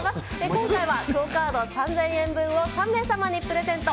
今回はＱＵＯカード３０００円分を３名様にプレゼント。